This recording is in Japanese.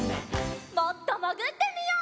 もっともぐってみよう！